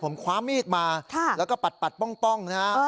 ผมคว้ามีดมาแล้วก็ปัดป้องนะฮะ